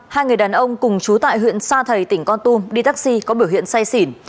hai người đàn ông cùng chú tại huyện sa thầy tỉnh con tum đi taxi có biểu hiện say xỉn